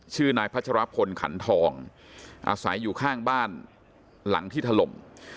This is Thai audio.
ชื่อนายพัชรพลขันทองอาศัยอยู่ข้างบ้านหลังที่ถล่ม